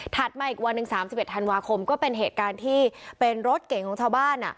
มาอีกวันหนึ่ง๓๑ธันวาคมก็เป็นเหตุการณ์ที่เป็นรถเก่งของชาวบ้าน